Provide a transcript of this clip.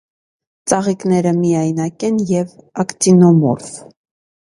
Ծաղիկները միայնակ են և ակտինոմորֆ։